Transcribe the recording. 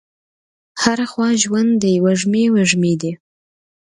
هره خوا ژوند دی وږمې، وږمې دي